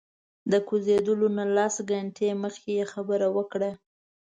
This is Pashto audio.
د کوزیدلو نه لس ګنټې مخکې یې خبره وکړه.